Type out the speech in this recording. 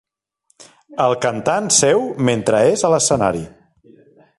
El cantant seu mentre és a l'escenari.